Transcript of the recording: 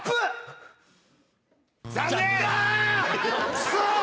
クソ！